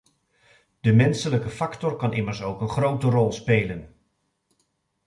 De menselijke factor kan immers ook een grote rol spelen.